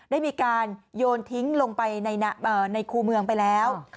ได้มีการโยนทิ้งลงไปในคู่เมืองไปแล้ว